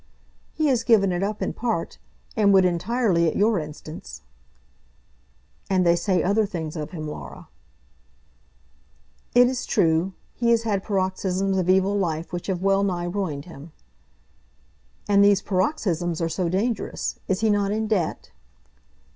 "He has given it up in part, and would entirely at your instance." "And they say other things of him, Laura." "It is true. He has had paroxysms of evil life which have well nigh ruined him." "And these paroxysms are so dangerous! Is he not in debt?"